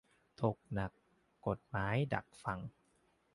ถกหนัก กฎหมายดักฟัง